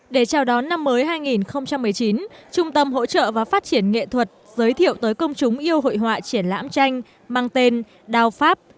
để chào đón năm mới hai nghìn một mươi chín trung tâm hỗ trợ và phát triển nghệ thuật giới thiệu tới công chúng yêu hội họa triển lãm tranh mang tên đào pháp